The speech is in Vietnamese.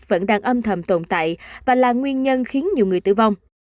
vẫn đang âm thầm tồn tại và là nguyên nhân khiến nhiều người tử vong